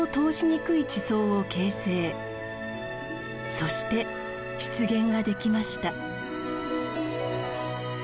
そして湿原ができました。